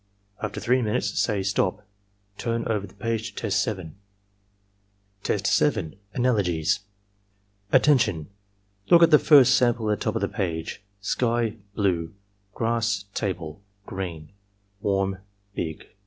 After 3 minutes, say "STOP! Turn over the page to Test 7." Test 7. — ^Analogies "Attention! Look at the first sample at the top of the page: Sky — ^blue :: grass— table, green, warm, big.